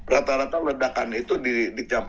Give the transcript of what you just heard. rata rata ledakan itu di jam empat